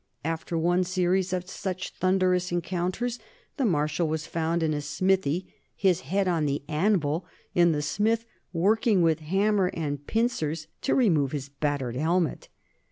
After one series of such thunderous encounters the Marshal was found in a smithy, his head on the anvil and the smith working with hammer and pincers to remove his bat tered helmet.